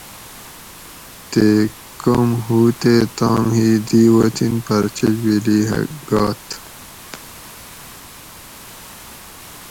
تی کم ھو تے تام ھی دی وطن پھر چچ ویلی ھہ گات